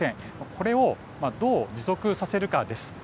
これをどう持続させるかです。